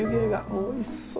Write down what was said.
おいしそう。